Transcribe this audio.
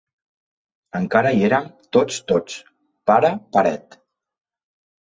Encara hi érem tots tots, pare paret.